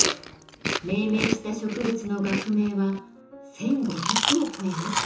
命名した植物の学名は１，５００を超えます。